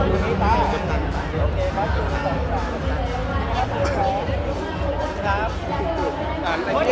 พี่ดอยครับ